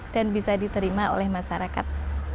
dan bisa diterima oleh masyarakat